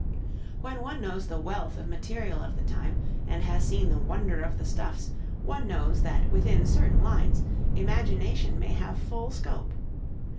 When one knows the wealth of material of the time, and has seen the wonder of the stuffs, one knows that within certain lines imagination may have full scope.